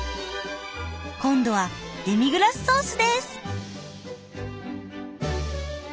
今度はデミグラスソースです。